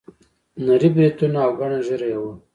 نري بریتونه او ګڼه نه ږیره یې وه.